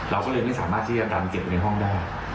เราก็เลยไม่สามารถที่จะดันเก็บไปในห้องได้